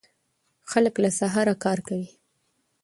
خلک له سهاره کار کوي.